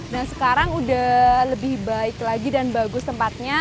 nah sekarang udah lebih baik lagi dan bagus tempatnya